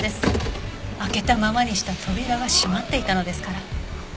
開けたままにした扉が閉まっていたのですから。